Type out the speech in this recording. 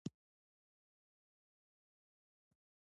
آیا دوی نوروز په شاندارۍ نه لمانځي؟